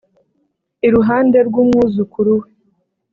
Iruhande rw’umwuzukuru we